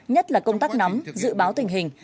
nhất là công tác nắm dự báo tình hình